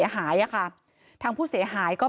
เหตุการณ์เกิดขึ้นแถวคลองแปดลำลูกกา